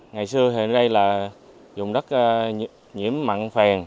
ngày xưa hiện đây là dùng đất nhiễm mặn